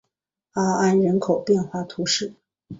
阿安人口变化图示